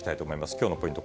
きょうポイント